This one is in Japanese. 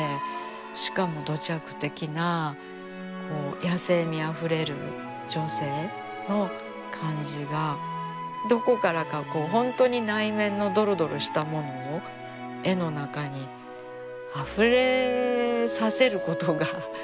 しかも土着的なこう野性味あふれる女性の感じがどこからかこう本当に内面のどろどろしたものを絵の中にあふれさせることがすごいなあ。